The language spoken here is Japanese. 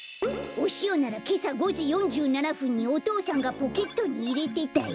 おしおならけさ５じ４７ふんにお父さんがポケットにいれてたよ。